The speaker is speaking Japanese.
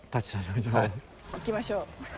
行きましょう。